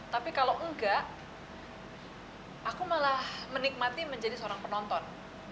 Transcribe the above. tapi kalau enggak aku malah menikmati menjadi seorang penonton